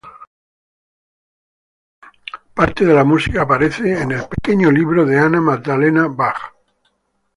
Parte de la música aparece en el "Pequeño libro de Anna Magdalena Bach".